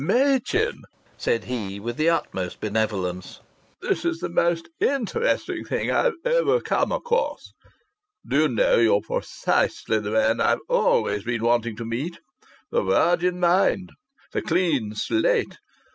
Machin," said he with the utmost benevolence. "This is the most interesting thing I've ever come across. Do you know, you're precisely the man I've always been wanting to meet?... The virgin mind. The clean slate....